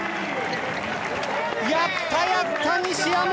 やったやった西矢椛。